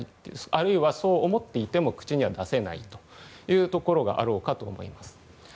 あるいはそう思っていても口には出せないというところがあろうかと思います。